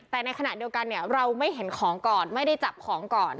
แต่ในขณะเดียวกันเนี่ยเราไม่เห็นของก่อนไม่ได้จับของก่อน